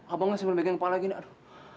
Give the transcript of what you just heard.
abangnya sambil megang kepala gini aduh